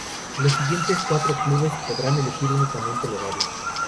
Los siguientes cuatro clubes podrán elegir únicamente el horario.